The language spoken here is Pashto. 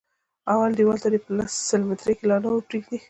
اول دېوال ته دې په سل ميتري کې لا نه ور پرېږدي.